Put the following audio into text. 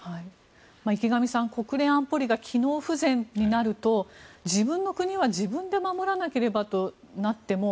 池上さん国連安保理が機能不全になると自分の国は自分で守らなければとなっても